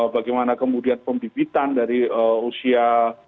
bagaimana kemudian pembibitan dari usia